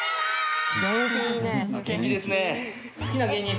元気ですね。